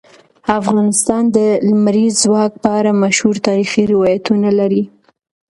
افغانستان د لمریز ځواک په اړه مشهور تاریخی روایتونه لري.